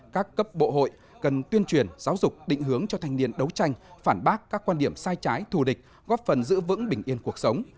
các cấp bộ hội cần tuyên truyền giáo dục định hướng cho thanh niên đấu tranh phản bác các quan điểm sai trái thù địch góp phần giữ vững bình yên cuộc sống